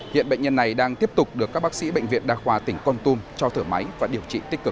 hiện bệnh nhân này đang tiếp tục được các bác sĩ bệnh viện đa khoa tỉnh con tum cho thử máy và điều trị tích cực